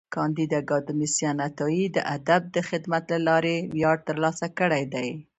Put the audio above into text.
کانديد اکاډميسن عطایي د ادب د خدمت له لارې ویاړ ترلاسه کړی دی.